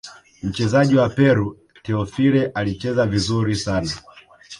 mchezaji wa peru teofile alicheza vizuri sana